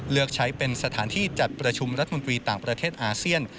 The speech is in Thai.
เลือกใช้เป็นสถานที่จัดประชุมรัฐมนตรีต่างประเทศอาเซียน